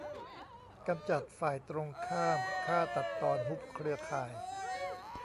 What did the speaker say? กำจัดฝ่ายตรงข้าม ฆ่าตัดตอน ฮุบเครือข่าย